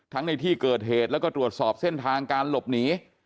ในที่เกิดเหตุแล้วก็ตรวจสอบเส้นทางการหลบหนี